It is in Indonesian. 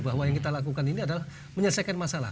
bahwa yang kita lakukan ini adalah menyelesaikan masalah